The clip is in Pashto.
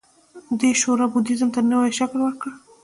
دې شورا بودیزم ته نوی شکل ورکړ